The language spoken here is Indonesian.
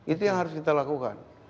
itu yang harus kita lakukan